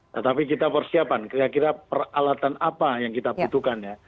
tetapi kita persiapan kira kira peralatan apa yang kita butuhkan ya